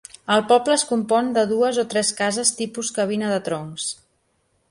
El poble es compon de dues o tres cases tipus cabina de troncs.